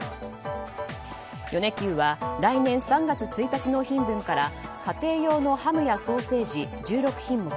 米久は来年３月１日納品分から家庭用のハムやソーセージ１６品目